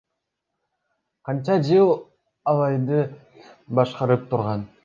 Канча жыл Алайды башкарып турган.